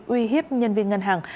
uy hiếp nhân viên ngân hàng